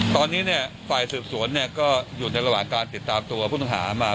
ตอนนี้ฝ่ายสืบสวนก็อยู่ในระหว่างการติดตามตัวผู้ต้องหามา